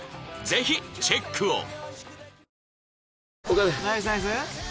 ぜひチェックを！